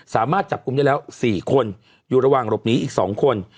สามารถจับกลุ่มได้แล้ว๔คนอยู่ระหว่างหลบหนีอีก๒คน